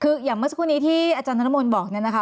คืออย่างเมื่อสักครู่นี้ที่อาจารย์ธนมนต์บอก